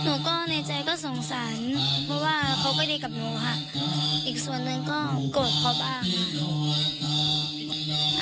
หนูก็ในใจก็สงสารเพราะว่าเขาก็ดีกับหนูค่ะอีกส่วนหนึ่งก็โกรธเขาบ้างค่ะ